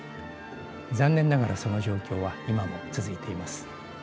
残念ながらその状況は今も続いています。